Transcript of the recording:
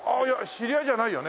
知り合いじゃないです。